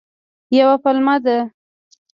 یوه پلمه ده.